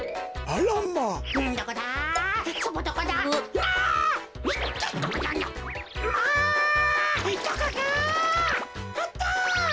あった！